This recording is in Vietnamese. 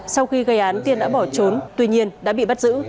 sau khi gây án tiên đã bỏ trốn tuy nhiên đã bị bắt giữ